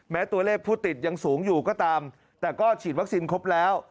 แม้ตัวเลขผู้ติดยังสูงอยู่ก็ตามแต่ก็ฉีดวัคซีนครบแล้ว